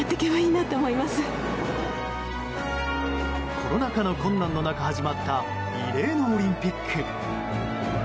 コロナ禍の困難の中、始まった異例のオリンピック。